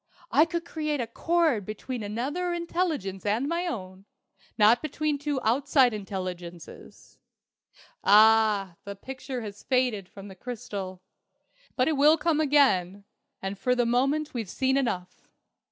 "I could create a cord between another intelligence and my own, not between two outside intelligences. Ah, the picture has faded from the crystal! But it will come again. And for the moment we've seen enough.